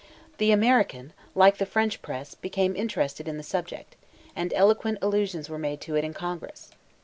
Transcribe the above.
The American, like the French press, became interested in the subject, and eloquent allusions were made to it in Congress.